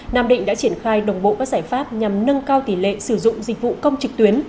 nam định đã triển khai đồng bộ các giải pháp nhằm nâng cao tỷ lệ sử dụng dịch vụ công trực tuyến